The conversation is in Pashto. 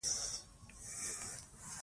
هغه د پوهنې لپاره ډېر خدمتونه کړي دي.